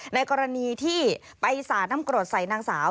ในกรณีที่ไปสาดน้ำกรดใส่นางสาว